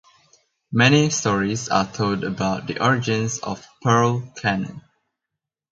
Many stories are told about the origins of the Pearl Cannon.